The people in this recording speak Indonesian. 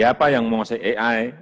siapa yang menguasai ai